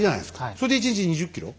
それで１日２０ｋｍ？